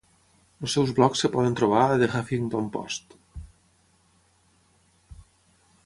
Els seus blogs es poden trobar a "The Huffington Post".